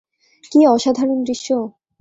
কী অসাধারণ দৃশ্য!